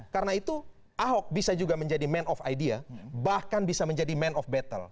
karena itu ahok bisa juga menjadi man of idea bahkan bisa menjadi man of battle